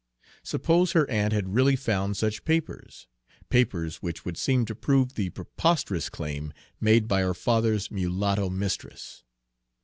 Suppose her aunt had really found such papers, papers which would seem to prove the preposterous claim made by her father's mulatto mistress?